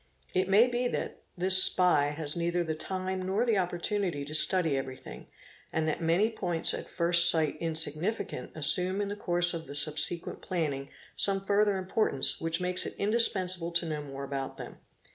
It may be that this spy has neither the time nor the opportunity to study everything, and that many points at first sight insignificant assume in the course of the subsequent planning some further importance which / makes it indispensable to know more about them.